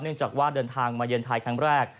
เนื่องจากว่าเดินทางมาเย็นไทยครั้งแรก